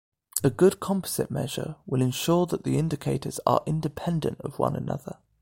A good composite measure will ensure that the indicators are independent of one another.